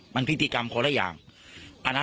มันพิธีกรรมคนละอย่าง